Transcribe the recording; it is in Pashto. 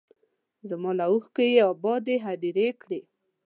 زما له اوښکو یې ابادې هدیرې کړې